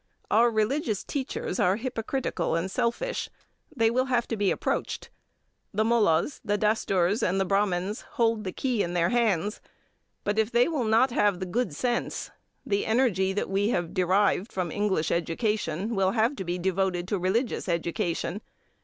Our religious teachers are hypocritical and selfish; they will have to be approached. The Mullas, the Dasturs and the Brahmins hold the key in their hands, but if they will not have the good sense, the energy that we have derived from English education will have to be devoted to religious education.